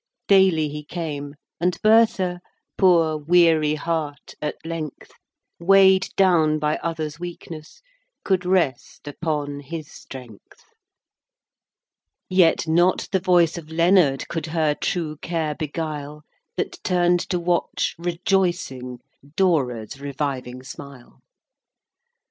Daily he came; and Bertha, Poor wear heart, at length, Weigh'd down by other's weakness, Could rest upon his strength. VII. Yet not the voice of Leonard Could her true care beguile, That turn'd to watch, rejoicing, Dora's reviving smile.